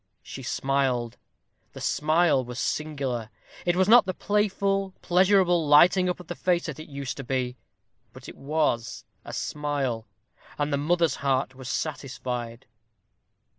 She smiled the smile was singular; it was not the playful, pleasurable lighting up of the face that it used to be; but it was a smile, and the mother's heart was satisfied.